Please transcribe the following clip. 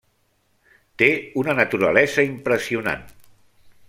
Té una naturalesa impressionant.